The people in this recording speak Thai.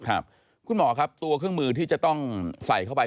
คุณหมอครับตัวเครื่องมือที่จะต้องใส่เข้าไป